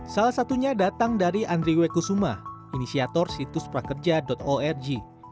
salah satunya datang dari andriwekusuma inisiator situs prakerja org